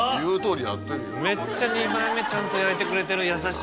めっちゃ２枚目ちゃんと焼いてくれてる優しい。